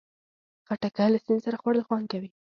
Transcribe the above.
خټکی له سیند سره خوړل خوند کوي.